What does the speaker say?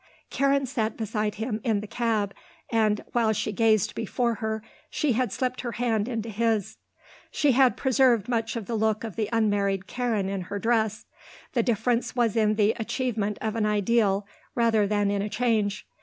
Karen sat beside him in the cab and, while she gazed before her, she had slipped her hand into his. She had preserved much of the look of the unmarried Karen in her dress. The difference was in the achievement of an ideal rather than in a change.